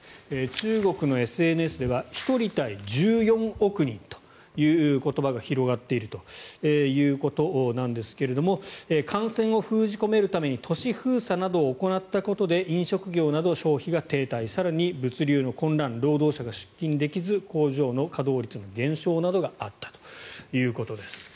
中国のＳＮＳでは１人対１４億人という言葉が広がっているということなんですが感染を封じ込めるために都市封鎖などを行ったことで飲食業など消費が停滞更に物流の混乱労働者が出勤できず工場の稼働率も減少などがあったということです。